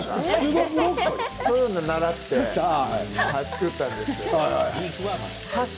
そういうの習って作ったんですよ。